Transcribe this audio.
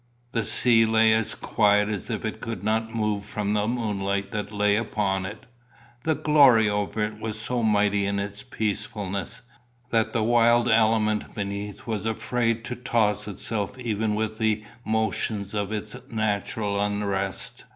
The sea lay as quiet as if it could not move for the moonlight that lay upon it. The glory over it was so mighty in its peacefulness, that the wild element beneath was afraid to toss itself even with the motions of its natural unrest.